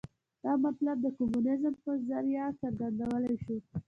دا مطلب د کمونیزم په ذریعه څرګندولای شو.